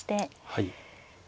はい。